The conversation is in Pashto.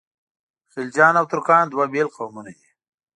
خلجیان او ترکان دوه بېل قومونه دي.